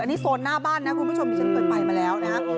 อันนี้โซนหน้าบ้านนะคุณผู้ชมมีชั้นเกิดไปมาแล้วนะครับ